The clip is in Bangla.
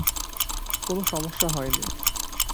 কোনো সমস্যা হয়নি।